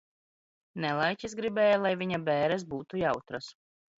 Nelaiķis gribēja, lai viņa bēres būtu jautras.